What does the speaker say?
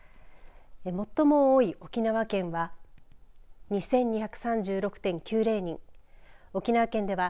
最も多い沖縄県は２２３６．９０